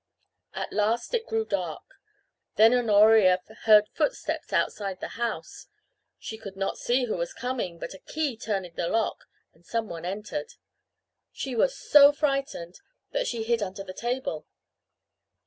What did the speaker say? At last it grew dark. Then Honoria heard footsteps outside the house. She could not see who was coming, but a key was turned in the lock and some one entered. She was so frightened that she hid under the table.